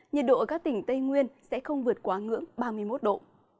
nhiệt độ ở các tỉnh tây nguyên sẽ không vượt quá ngưỡng ba mươi một độ